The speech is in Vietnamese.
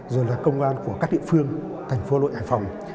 rồi là công an của các địa phương thành phố lội hải phòng